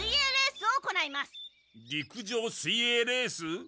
陸上水泳レース？